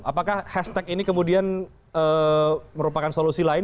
apakah hashtag ini kemudian merupakan solusi lain